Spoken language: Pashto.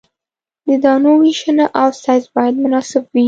د دانو ویشنه او سایز باید مناسب وي